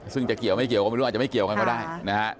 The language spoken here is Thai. ซึ่งจะเกี่ยวไม่เกี่ยวความรู้จักไม่เกี่ยวกันเค้าได้นะฮะ